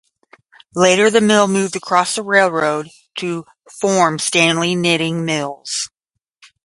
Later the mill moved across the railroad to form Stanly Knitting Mills.